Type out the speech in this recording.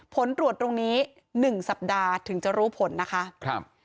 ผลตรวจตรงนี้๑สัปดาห์ถึงจะรู้ผลนะคะครับ